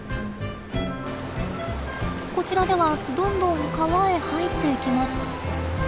こちらではどんどん川へ入っていきます。